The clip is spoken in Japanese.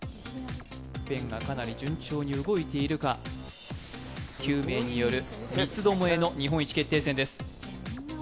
ペンがかなり順調に動いているが、９名による三つどもえの日本一決定戦です。